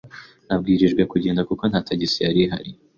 Nabwirijwe kugenda kuko nta tagisi yari ihari.